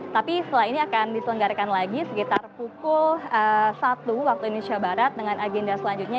tapi setelah ini akan diselenggarakan lagi sekitar pukul satu waktu indonesia barat dengan agenda selanjutnya